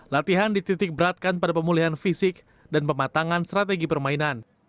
latihan dititik beratkan pada pemulihan fisik dan pematangan strategi permainan